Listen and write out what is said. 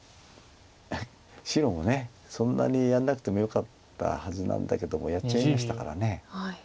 白もそんなにやらなくてもよかったはずなんだけどもやっちゃいましたから。